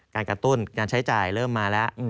การกระตุ้นการใช้จ่ายเริ่มมาแล้ว